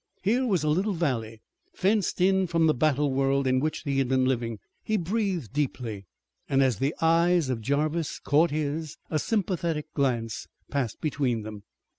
Here was a little valley fenced in from the battle world in which he had been living. He breathed deeply and as the eyes of Jarvis caught his a sympathetic glance passed between them.